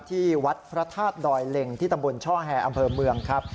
ที่วัดพระธาตุดอยเล็งที่ตำบลช่อแห่อำเภอเมืองครับ